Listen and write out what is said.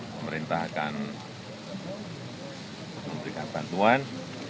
pemerintah akan memberikan bantuan